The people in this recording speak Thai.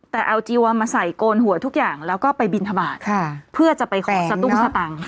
แต่เอาจีวอนมาใส่โกนหัวทุกอย่างแล้วก็ไปบินทบาทเพื่อจะไปขอสตุ้งสตังค์